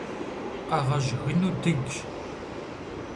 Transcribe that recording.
Къэгъэжь гыну дыджщ.